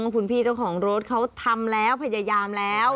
คุณพี่เจ้าของรถเขาทำแล้วพยายามแล้ว